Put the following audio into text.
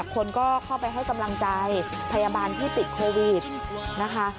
คนก็เข้าไปให้กำลังใจพยาบาลที่ติดโควิดนะคะ